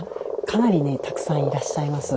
かなりたくさんいらっしゃいます。